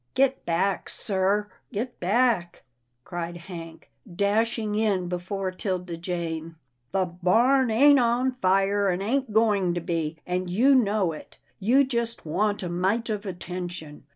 " Get back, sir, get back," cried Hank, dashing in before Tilda Jane. " The barn ain't on fire, and ain't going to be, and you know it. You just want a mite of attention.